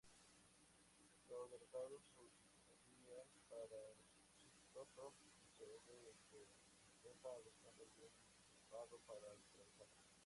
Los derrotados huían para Suchitoto y sobre el Lempa, buscando algún vado para atravesarlo.